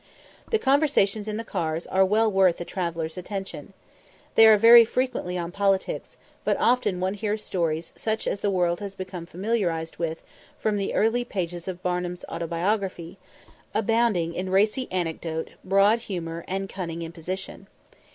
The conversations in the cars are well worth a traveller's attention. They are very frequently on politics, but often one hears stories such as the world has become familiarised with from the early pages of Barnum's Autobiography, abounding in racy anecdote, broad humour, and cunning imposition.